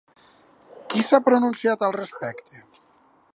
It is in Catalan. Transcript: Qui s'ha pronunciat al respecte?